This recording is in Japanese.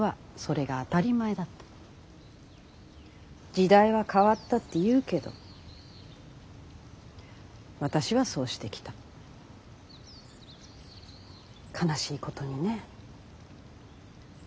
時代は変わったっていうけど私はそうしてきた悲しいことにね。